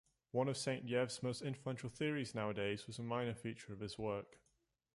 One of Saint-Yves's most influential theories nowadays was a minor feature of his work.